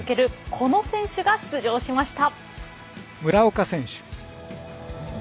この選手が出場しました。